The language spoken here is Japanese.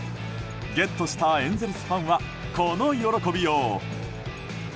ゲットしたエンゼルスファンはこの喜びよう。